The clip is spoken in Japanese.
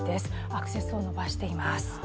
アクセスを伸ばしています。